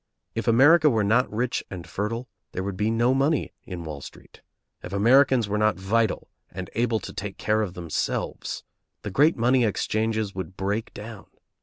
If America were not rich and fertile, there would be no money in Wall Street. If Americans were not vital and able to take care of themselves, the great money exchanges would break down.